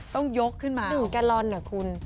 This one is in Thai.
ต้องยกขึ้นมาหนึ่งการล่ะคุณ